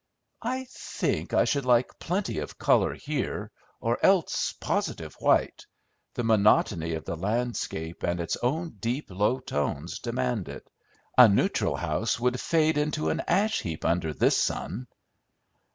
"I think I should like plenty of color here, or else positive white; the monotony of the landscape and its own deep, low tones demand it. A neutral house would fade into an ash heap under this sun."